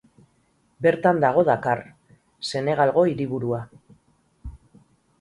Bertan dago Dakar, Senegalgo hiriburua.